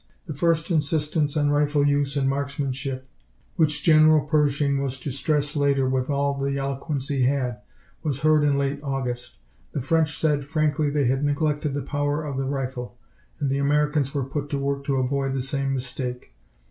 The first insistence on rifle use and marksmanship, which General Pershing was to stress later with all the eloquence he had, was heard in late August. The French said frankly they had neglected the power of the rifle, and the Americans were put to work to avoid the same mistake.